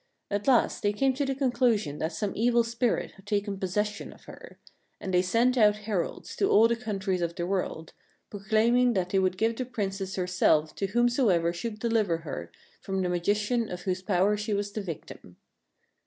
At last, they came to the conclusion that some evil spirit had taken posses sion of her; and they sent out heralds to all the countries of the world, proclaiming that they would give the Princess her self to whomsoever should deliver her from the magician of whose power she was the victim.